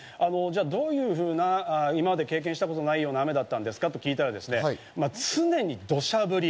どういうふうな今まで経験したことのない雨なんですか？と聞いたら常に土砂降り。